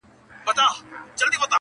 • لوستونکي د هغه کيسو